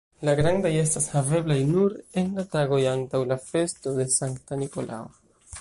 La grandaj estas haveblaj nur en la tagoj antaŭ la festo de Sankta Nikolao.